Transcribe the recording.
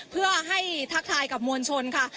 เพื่อให้ทักทายกับมวลชนค่ะ